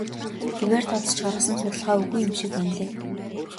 Хувиар тооцож гаргасан судалгаа үгүй юм шиг байна лээ.